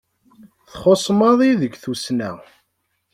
Txuṣṣ maḍi deg Tussna.